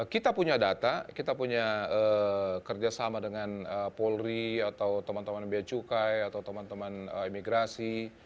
kita punya data kita punya kerjasama dengan polri atau teman teman biaya cukai atau teman teman imigrasi